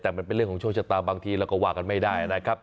แต่มันเป็นเรื่องของโชคชะตาบางทีเราก็ว่ากันไม่ได้นะครับ